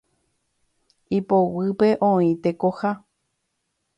Ipoguýpe oĩ tekoha.